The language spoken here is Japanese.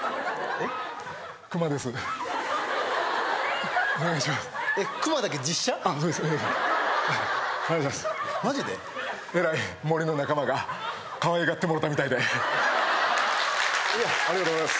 えらい森の仲間がかわいがってもろたみたいでありがとうございます